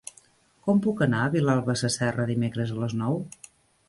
Com puc anar a Vilalba Sasserra dimecres a les nou?